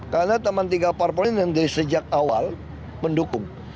karena teman tiga parpol ini dari sejak awal mendukung